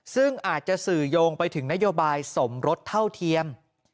ซึ่งอาจจะสื่อโยงไปถึงนโยบายสมรสเท่าเทียม